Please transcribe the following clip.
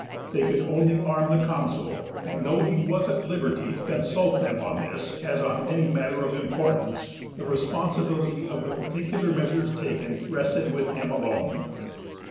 They could only arm the Consul, and though he was at liberty to consult them on this, as on any matter of importance, the responsibility of the particular measures taken rested with him alone.